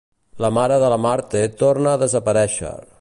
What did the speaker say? La mare de la Marthe torna a desaparèixer.